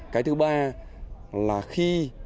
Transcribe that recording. cái thứ ba là khi